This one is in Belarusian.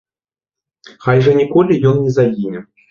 Хай жа ніколі ён не загіне!